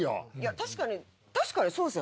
確かに確かにそうですよ